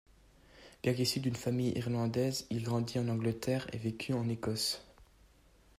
Bien qu'issu d'une famille irlandaise, il grandit en Angleterre et vécut en Écosse.